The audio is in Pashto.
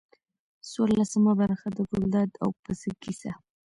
څوارلسمه برخه د ګلداد او پسه کیسه.